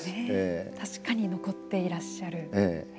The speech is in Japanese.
確かに残っていらっしゃる。